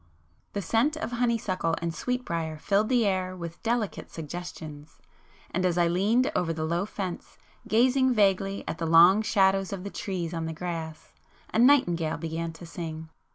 The scent of honey suckle and sweet briar filled the air with delicate suggestions,—and as I leaned over the low fence, gazing vaguely at the long shadows of the trees on the grass, a nightingale began to sing.